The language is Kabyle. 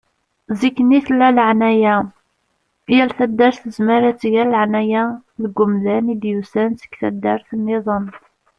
Zikk-nni tella laεnaya. Yal taddart tezmer ad tger laεnaya deg umdan i d-yusan seg taddart-nniḍen.